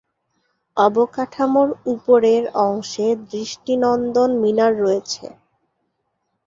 অবকাঠামোর উপরের অংশে দৃষ্টিনন্দন মিনার রয়েছে।